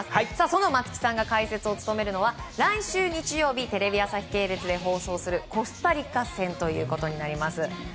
その松木さんが解説を務めるのは来週日曜日テレビ朝日系列で放送するコスタリカ戦ということになります。